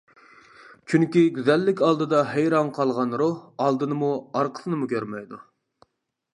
چۈنكى گۈزەللىك ئالدىدا ھەيران قالغان روھ ئالدىنىمۇ، ئارقىسىنىمۇ كۆرمەيدۇ.